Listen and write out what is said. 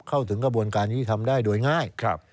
เข้าถึงกระบวนการยุติธรรมได้โดยง่าย